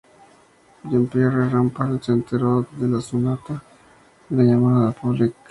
Jean-Pierre Rampal se enteró de la sonata en una llamada de Poulenc.